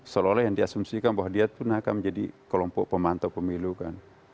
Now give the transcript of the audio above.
seolah olah yang diasumsikan bahwa dia pun akan menjadi kelompok pemantau pemilu kan